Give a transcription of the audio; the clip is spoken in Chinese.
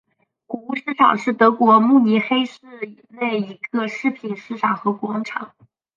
谷物市场是德国慕尼黑市内一个食品市场和广场。